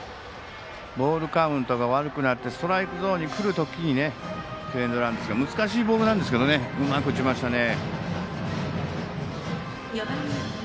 ボールカウントが悪くなってストライクゾーンに来る時にヒットエンドランですが難しいボールをうまく打ちましたね。